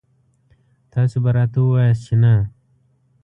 تاسو به راته وواياست چې نه.